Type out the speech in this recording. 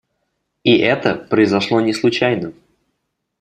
И это произошло не случайно.